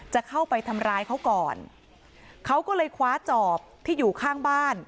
จะเข้าไปทำร้ายเขาก่อนเขาก็เลยคว้าจอบที่อยู่ข้างบ้าน